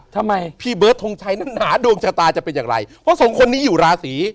ทำไมพี่เบิร์ดทงชัยนั้นหนาดวงชะตาจะเป็นอย่างไรเพราะสองคนนี้อยู่ราศี